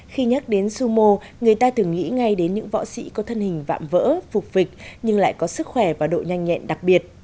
khi nhắc đến sumo người ta thường nghĩ ngay đến những võ sĩ có thân hình vạm vỡ phụcch nhưng lại có sức khỏe và độ nhanh nhẹn đặc biệt